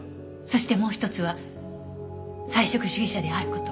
そしてもう一つは菜食主義者である事。